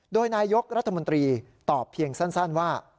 โดยนายกรัฐมนตรีตอบเพียงสั้นว่า